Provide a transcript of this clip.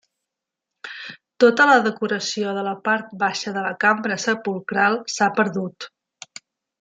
Tota la decoració de la part baixa de la cambra sepulcral s'ha perdut.